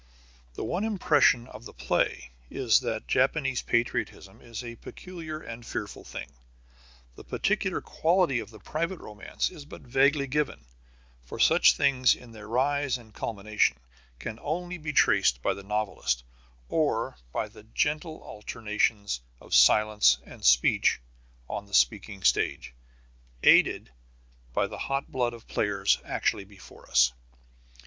The one impression of the play is that Japanese patriotism is a peculiar and fearful thing. The particular quality of the private romance is but vaguely given, for such things in their rise and culmination can only be traced by the novelist, or by the gentle alternations of silence and speech on the speaking stage, aided by the hot blood of players actually before us.